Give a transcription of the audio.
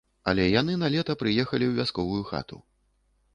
Але яны на лета прыехалі ў вясковую хату.